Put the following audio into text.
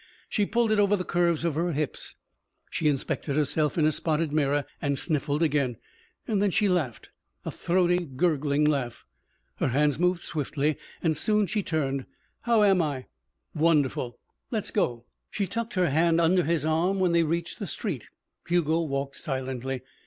She pulled it over the curves of her hips. She inspected herself in a spotted mirror and sniffled again. Then she laughed. A throaty, gurgling laugh. Her hands moved swiftly, and soon she turned. "How am I?" "Wonderful." "Let's go!" She tucked her hand under his arm when they reached the street. Hugo walked silently.